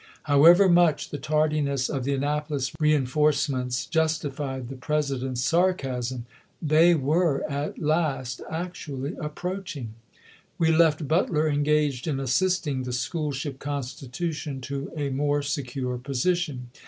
However much the tardiness of the Annapolis reenforcements justified the President's sarcasm, they were at last actually approaching. We left Butler engaged in assisting the school ship Consti tution to a more secure position.